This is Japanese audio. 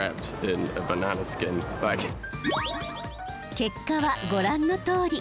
結果はご覧のとおり。